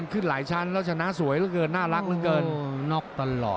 ขึ้นหลายชั้นแล้วชนะสวยเมื่อกันน่ารักเมื่อกัน